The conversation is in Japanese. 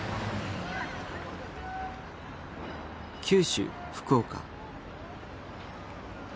九州福岡。